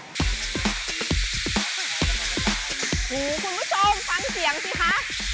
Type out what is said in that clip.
คุณผู้ชมฟังเสียงสิคะ